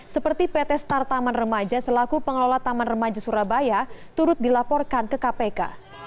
seperti pt start taman remaja selaku pengelola taman remaja surabaya turut dilaporkan ke kpk